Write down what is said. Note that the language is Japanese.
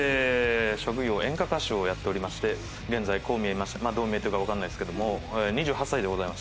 職業は演歌歌手をやっておりまして現在こう見えましてどう見えてるかわからないですけども２８歳でございまして。